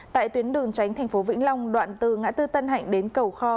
tại tuyến đường tránh tp vĩnh long đoạn từ ngã tư tân hạnh đến cầu kho